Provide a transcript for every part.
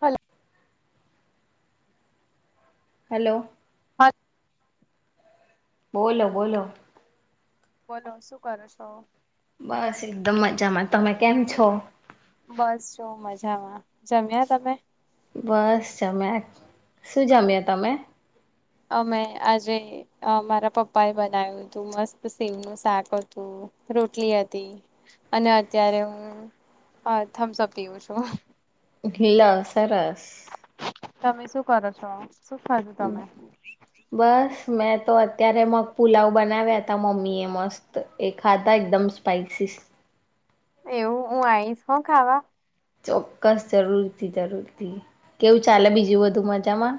Hello hello હા બોલો બોલો બોલો શું કરો છો બસ એકદમ મજામાં તમે કેમ છો બસ જોવ મજામાં જમ્યા તમે બસ જમ્યા શું જામ્યા તમે અમે આજે મારા પપ્પા એ બનાવ્યું હતું મસ્ત સીગ નું શાક હતું રોટલી હતી અને અત્યારે હું થમ્સ અપ પીવું છું [unintelligible] સરસ તમે શું કરો છો શું ખાધું તમે? બસ મેં તો અત્યારે મગ પુલાવ બનાવ્યા તા મમ્મી એ મસ્ત એ ખાધા એકદમ સ્પાઈસી એવું હું આઈશ હ ખાવા ચોક્કાસ જરૂર જરૂર થી કેવું ચાલે બીજું બધુ મજામાં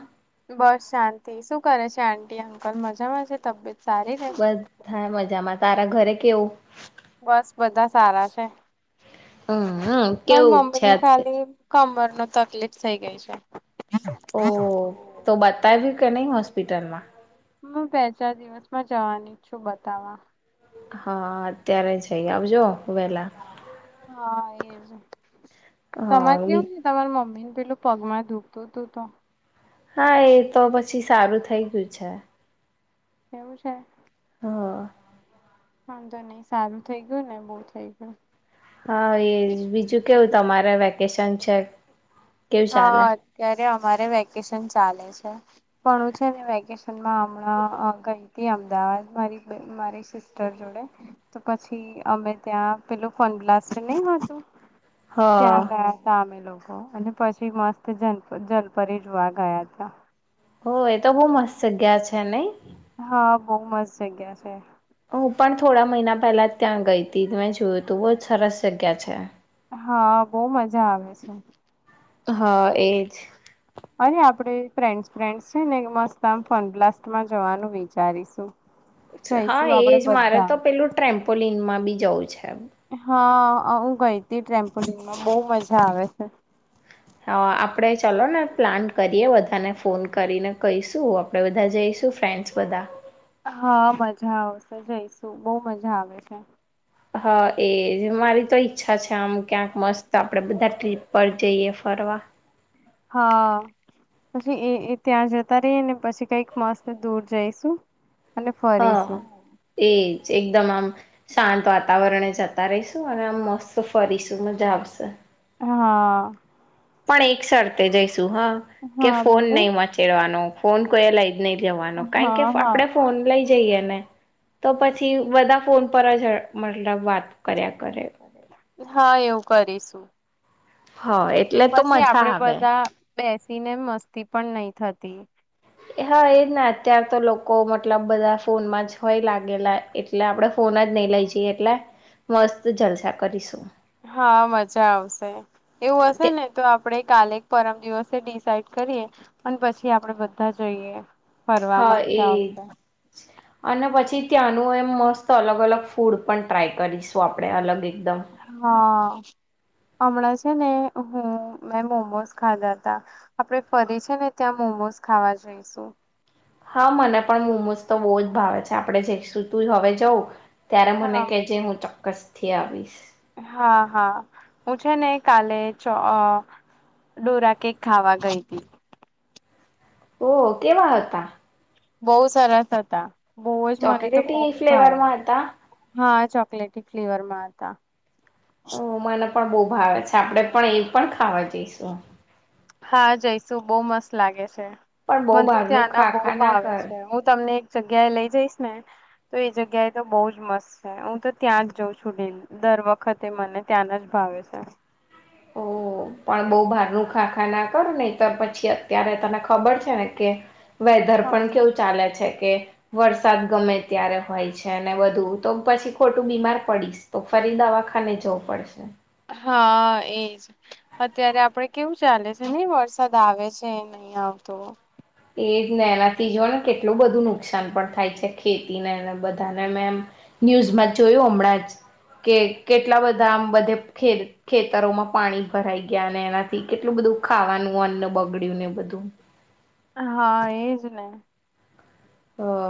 બસ શાંતિ શું કરે છે આંટી અંકલ મજામાં છે તબિયત સારી ને? બધા મજામાં તારા ઘરે કેવું બસ બધા સારા છે હમ્મ હમ્મ કેવું છે કમર નો તકલીફ થઇ ગઈ છે ઓ તો બતાવ્યું કે નહી હોસ્પિટલમાં હું બે ચાર દિવસમાં જવાની છું બતાવા હા અત્યારે જય આવજો વેલા હા એજ તમાર હા કેવું છે તમાર મમ્મી ને પેલું પગમાં દુખતું તું તો હા એ તો પછી સારું થઈ ગયું છે એવું છે હ વાંધો નહી સારું થઇ ગયું ને બહુ થઈ ગયું હા એ જ બીજું કેવું તમારે વેકેશન સાંચે હા અત્યારે અરે વેકેશન ચાલે છે પણ હું છે ને વેકેશનમાં હમણાં ગઈ હતી અમદાવાદ મારી મારી સિસ્ટર જોડે તો પછી અમે ત્યાં પેલું ફન બ્લાસ્ટ નહી હતું હ ત્યાં કર્યા તમે લોકો હ અને પછી મસ્ત જલ જલપરી જોવા ગયા હતા હો એ તો બહ મસ્ત જગ્યા છે નહી હા બહ મસ્ત જગ્યા છે હું પણ થોડા મહિના પહેલા જ ત્યાં ગઈ હતી મેં જોયું તું બહુ જ સરસ જગ્યા છે હા બહ મજા આવે છે હા એજ અને આપણે ફ્રેન્ડસ ફ્રેન્ડસ છે ને મસ્ત આમ ફન બ્લાસ્ટમાં જવાનું વિચારીશું હા જઈશું આપડે એજ મારે બધા. તો પેલું ટ્રેમ્પોલીનમાં બી જઉ છે હા હું ગઈ હતી ટમ્પોલિંગમાં બહ મજા આવે છે હ આપણે ચાલો ને પ્લાન કરીએ બધાને ફોન કરીને કહીશું આપણેે બધા જઈશું ફ્રેન્ડ્સ બધા હા મજા આવશે જઈશું બહ મજા આવે છે હા એજ મારી તોય અચ્છા છે આમ ક્યાંક મસ્ત આપડે બધા ટ્રીપ પર જઈએ ફરવા હા પછી એ ત્યાં જતા રહી ને પછી કઈક માસ દૂર જઈશું અને હા ફરીશું એજ એકદમ આમ શાંત વાતાવરણ જતા રહીશું અને આમ મસ્ત ફરીશું મજા આવશે હા. પણ એકસરતે જ હા કે હા ફોન બોલો નઈ મચેડવાનો ફોન કોયે લ નઈ જવાનું [unintelligible] કે હા હા. આપડે ફોન લઈ [unintelligible] તો પછી બધા ફોન [unintelligible] મતલબ વાત કર્યા કરે. હા એવું કરીશું. હા એટલે તો પછી મજા આપડે આવે. બધા બેસીને મસ્તી પણ નહી થ તે હા એજ ના અત્યારે તો લોકો મતલબ બધા ફોનમાં જ હોય લાગેલા, એટલે આપણે ફોન જ નઈ લઈ જઈએ. એટલે મસ્ત જલ હા મજા આવશે. એવું હશે ને તો આપણે કાલે પરમ દિવસે ડિસાઇડ કરીએ. અને પછી આપડે બધા જઈએ. ફરવા હા એ મઝા આવશે. અને પછી ત્યાંનું એમ મસ્ત અલગ અલગ ફૂડ પણ ટ્રાય કરીશું, આપણે અલગ એક હા. અમણાં છે ને હું મેં મોમોઝ ખાધા હતા, આપડે ફરી છે ને ત્યાં મોમોઝ ખાવા જઈશું. હા મને પણ મોમોઝ તો બો જ ભાવે છે. આપડે જઈશું તું જ હવે જઉં. ત્યારે મને હા કેજે હું [unintelligible] હા હા હું છે ને કાલે ચ અ ડોરા કેક ખાવા ગઈ હતી. [inaudible] બઉ સરસ હતા. બઓ જ મને તો બહુ ચોકલેટી જ ભાવે ફ્લેવરમાં હતા? હા ચોકલેટી ફ્લેવર માં હતા. ઓ મને પણ બઉ ભાવે છે. આપડે પણ એ પણ ખાવા જઈશું. હા જઈશું બો મસ્ત લાગે છે. પણ બહુ મને તો બહારનું ત્યાં ના ખા બહું ખા ભાવે કર છે. હું તમને જગ્યાએ લઈ જઈશ ને તો એ જગ્યાએ તો બોઉ જ મસ્ત છે. હું તો ત્યાં જ જઉં છુ [unintelligible] દર વખતે મને ત્યાંના જ ભાવે છે. ઓ પણ બો બારનું ખાખા ના કર નઈ તો પછી અત્યારે તને ખબર છે ને કે વેધર પણ હા. કેવું ચાલે છે કે વરસાદ ગમે ત્યારે હોય છે અને વધું તો પછી ખોટું બીમાર પડીશ તો ફરી દવાખાને જવું પડશે. હા એજ અત્યારે આપડે કેવું ચાલે છે ને વરસાદ આવે છે નઈ આવતો. એજ ને [unintelligible] કેટલું બધું નુકસાન પણ થાય છે ખેતીને બધાને મેં એમ ન્યૂઝમાં જોયું હમણાં જ કે કેટલા બધા આમ બધેે ખેતરોમાં પાણી ભરાઈ ગયા એનાથી કેટલું બધું ખાવાનું અન્ન બગડ્યું ને બધું હા એજ ને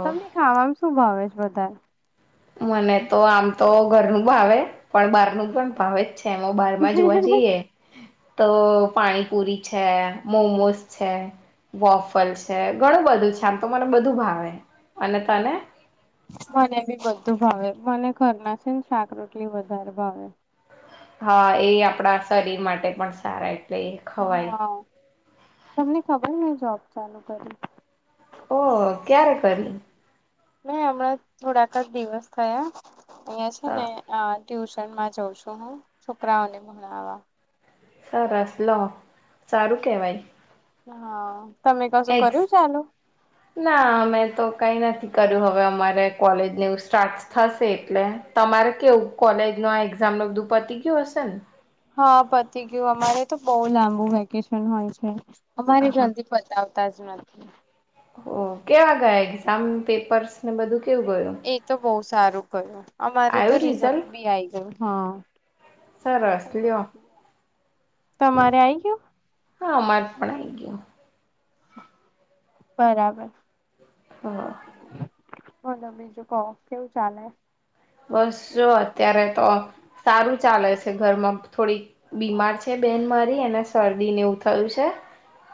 તમને ખાવાવામાં શું ભાવે છે અઠ વધદ મને તો આમ તો ઘરનું ભાવે પણ બહારનું પણ ભાવે અચ્છા એમાં બાર માં જોવા જઈએ તો પાણીપુરી છે મોમોસ છે બોફલ છે ઘણું બધું છે આમ તો મને બધું ભાવે અને તને મને બી બધું ભાવે મને ઘરના છે ને શાક રરોટલી વધારે ભાવે હા એ આપણા શરીર માટે પણ સારા પ્લે ખવારે હા તમને ખબર મેને જોબ ચાલુ કરી ઓ ક્યારે કરી નાહી હમણાં થોડાક જ દિવસ થયા અયા છે ને હા આ ટ્યુશનમાં જોઉ છું હું છોકરાઓને ભણવા સરસ લો સારું કેવાય. હા. તમે કશું એક્સ કર્યું ચાલુ ના મેં તો. કઈ નથી કર્યું હવે અમારે કોલેજ સાર્ટ થશે એટલે તમારે કેવું કોલેજ ન એક્ઝામ નધુ પતી ગયું હશે ને. હા પતિ ગયું અમારે તો બહુ લાંબુ વેકેશન હોય છે. અમારી હા જલ્દી પતા. તજ નથીથી. ઓ કેવા ગયા એક્ઝામ પેપર્સ ને બધું. કેવું ગયું એ તો બહ સારું કર્યું અમારે તો આવ્યું રીઝલ રિઝલ્ટ બી આઈ ગયોું હ સરસ લ્યો તમારે આઈ ગયો. હા અમારે પણ આવી ગયું બરાબર. હા. બલો બીજું કવો કેવું ચાલે બસ જો અત્યારે તો સારું ચાલે છે. ઘરમાં થોડીક બીમાર છે બેન મારી અને શરદી ને એવું થયું છે.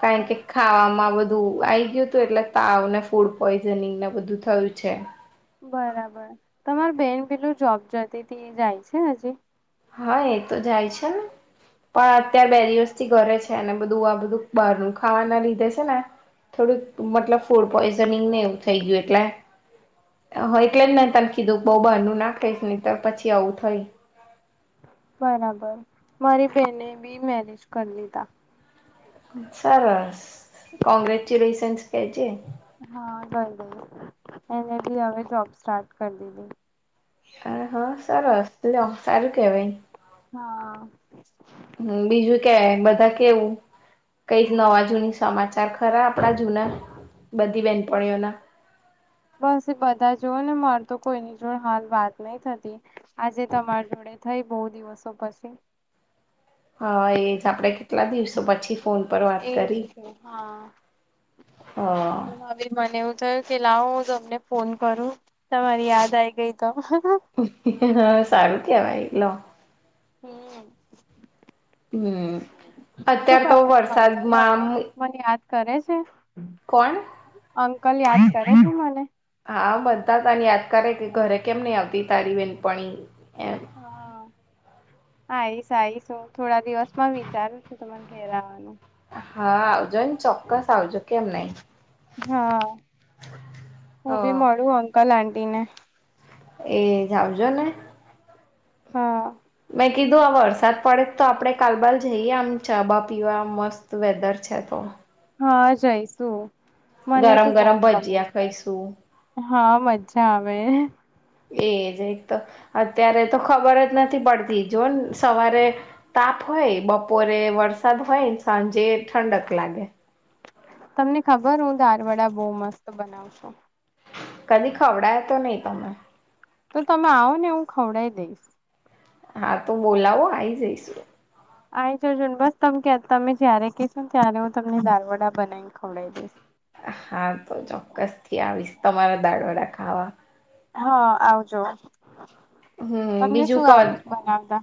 કારણ કે અચ્છા ખાવામાં બધું. આઈ ગયું તું એટલે તાવને ફૂડ પોઈઝનિંગને બધું થયું છે. બરાબર તમાર બેન પેલું જોબ જતી જાય છે હજી. હા એ તો જાય છે ને. પણ અત્યાર બે બરાબર દિવસ થી ઘરે છે અને. બધું આ બધું બહારનું ખાવાના લીધે છે ને થોડુંક મતલબ ફૂડ પોઈઝનિંગ ને એવું થઈ ગયું એટલે હ એટલે જ મેને ત કીધું બહ બહાર ન નાખશ નને તો પછી આવું થઈ. બરાબર મારી બેેને બી મેરેજ કરી દીધા. સરસ. કોંગ્ર્રેચ્યુલેશન્સ ક છે. હા બરાબર એને બી હવે જોબ સ્ટાર્ટ કરી દીધી. હા સરારું સારું કેહેવે. હા. હમ બીજું કેવાય બધા કેવું કઈ નવા જૂની સમાચાર ખરા આપણા જૂના બધી બેનપણીઓના. બસ એ બધા જોઓ ને માર તો કોઈની જોડ હાલ વાત નહી થતી આજે તમારી જોડે થઈ બહુ દિવસો પછી. હા એ જ આપણે કેટલા દિવસો પછી ફોન પર વાત કરી એજ તો હા હ. તો કે લાવ હું તમને ફોન કરું તમારી યાદ આઈ ગઈ તો. હા હાં સારું થ ભાઈ. લો. હમ. હમ શું અત્યાર તો કરે છે અંકલ વરસાદમાં આમ. હવે મને યાદ કરે છે.. કોણ અંકલ યાદ. કર તમલે. આા બનધા તને યાદ કરે કે ઘરે કેમ નહી આવતી તારી બેન પણ હા હ આવીશ આ આવીશ થોડા દિવસ માં વિચારું છું તને ઘેરાવાનું હા આવજોને ચોક્કસ આવજો કેમ નહી હા હ હું બી મળુ અંકલ આ તને એ જાઉજો ને હા મેં કીધું આ વરસાદ પડે તો આપડે કાલબલ જઈએ આમ ચાબા પીવા મસ્ત વેધર છે તો હા જઈશું મને તો ગરમ બહ ગરમ ગમે ભજીયા છે ખાઈશું હા મજા આવે એજ એક તો અત્યારે તો ખબર જ નથી પડતી જો ને સવારે તાપ હોય બપોરે વરસાદ હોય સાંજે ઠંડક લાગે તમને ખબર હું દાર વડા બહુ મસ્ત બનાવ છું કદીી ખવડા તો નહી તમે તો તમે આવો ને હું ખવડઈ દઈશ. હા તો બોલાવો આ આવી જઈશું આ જજુન બસ ત તમે જય્યારે કશો ને ત્યારે હું તમને દાલ વડા બનાવીને ખવડઈ દઈશ હા તો ચોક્કસ થી આવીશ તમારા દાડો રાખ ખાવા હા આવજો હમ તમને બીજું શું ક આવડે છે બનાવતા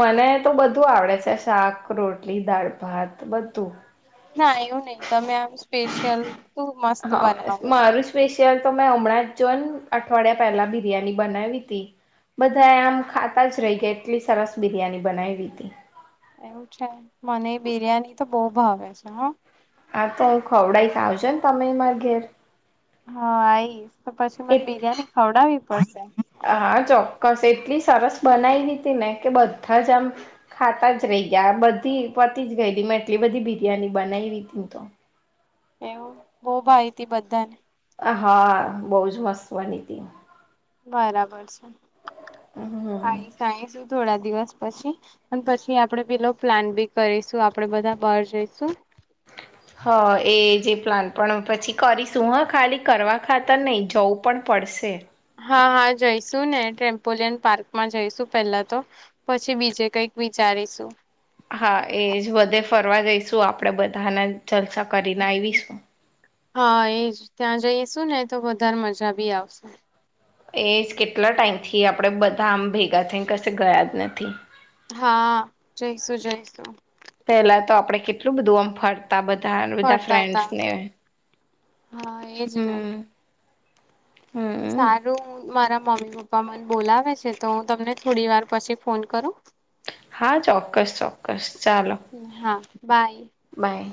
મને તો બધું આવડે છે શાક રોટલી દાળ ભાત બધું ના એવું નહીિ તમે આ સ્પેશિયલ તું મસ્ત હા બનાવ છો મારું સ્પેશિયલ તો હમણાં જો ને અઠવાડિયા પહેલા બિરિયાની બનાવી તી બધા આમ ખાતા જ રહી ગયા એટલી સરસ બિરિયાની બનાવીવી તી એવું છે મને બિરિયાની તો બહુ ભાવે છે હા આ તો એ ખોવડાાઈસ આવજો ને તમે માગેર હા આઈ તો પછી મને બિરયાની ખવડાવવી પડશે હા ચોક્કસ એટલી સરસ બનાવી લી હતીી ને કે બધા જ આમ ખાતા જ રહી ગયા બધી પતી જ ગયલી મેં એટલી બધી બિરિયાની બનાવી રી હતીી તો એવું બહ ભાઈ હતીી બધાને હા બહ જ મસ્ત બની હતી બરાબર છે હમ સાઈ સાઈ શું થોડા દિવસ પછી અને પછી આપડે પેલો પ્લાન બી કરીશું આપડે બધા બહાર જઈશું હા એ જે પ્લાન પણ પછી કરીશું હા ખાલી કરવા ખાતર નહીં જવું પણ પડશે હા હા જઈશું ને ટટેમ્પોલિયન પાર્કમાં જઈશું પેલા તો પછી બીજે કંઈક વિચારીશું હા એજ વધે ફરવા જઈશું આપડે બધાને ચર્ચા કરીને આવીશું. હા એજ ત્યાં જઈસું ને તો વધારે મજા ભી આવશ એ કેટલા ટાઈમ થી આપણેે બધા આમ ભેગા થઈને કશે ગયા જ નથી. હા જઈશું જઈશું. પેલા તો આપડે કેટલું બધું આમ ફાળ તા બધા ફરતા તા ફ્રેન્ડસને હા એજ ને હમ્મ. સારું મારા મમ્મી પપ્પા મને બોલાવે છે તો હું તમને થોડી વાર પછી ફોન કરું. હા ચોક્કસ ચોક્કસ. ચાલો હા બાય. બાય